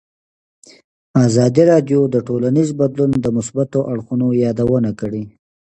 ازادي راډیو د ټولنیز بدلون د مثبتو اړخونو یادونه کړې.